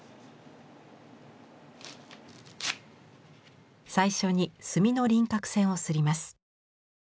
最初に墨の輪郭線を摺ります。